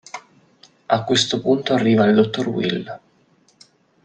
A questo punto arriva il Dr. Will.